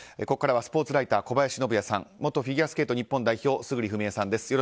ここからはスポーツライター、小林信也さん元フィギュアスケート日本代表村主章枝さんです。